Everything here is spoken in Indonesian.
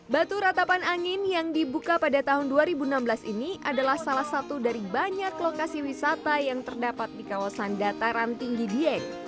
batu ratapan angin yang dibuka pada tahun dua ribu enam belas ini adalah salah satu dari banyak lokasi wisata yang terdapat di kawasan dataran tinggi dieng